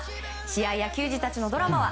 試合や球児たちのドラマは